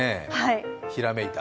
ひらめいた？